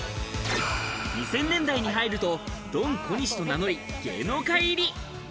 ２０００年代に入るとドン小西と名乗り、芸能界入り。